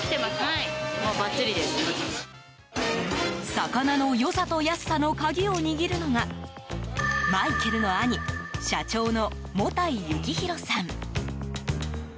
魚の良さと安さの鍵を握るのがマイケルの兄社長の茂田井幸弘さん。